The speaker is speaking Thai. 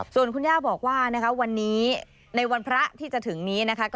ส่วนคุณย่าบอกว่าวันนี้ในวันพระที่จะถึงนี้นะคะ